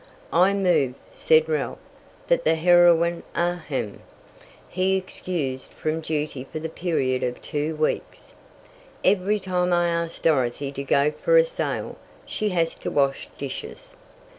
"I move," said Ralph, "that the heroine ahem, be excused from duty for the period of two weeks. Every time I ask Dorothy to go for a sail, she has to wash dishes."